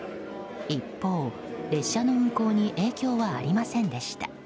一方、列車の運行に影響はありませんでした。